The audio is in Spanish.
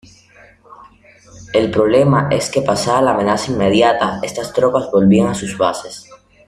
El problema es que pasada la amenaza inmediata estas tropas volvían a sus bases.